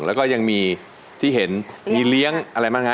แล้วก็ยังมีที่เห็นมีเลี้ยงอะไรบ้างฮะ